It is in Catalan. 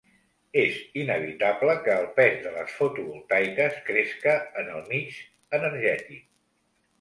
És inevitable que el pes de les fotovoltaiques cresca en el mix energètic.